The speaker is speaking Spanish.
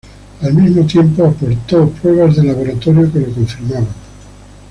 Al mismo tiempo, aportó pruebas de laboratorio que lo confirmaban.